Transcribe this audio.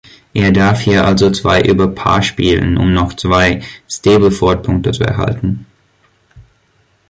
Er darf hier also zwei über Par spielen, um noch zwei Stableford-Punkte zu erhalten.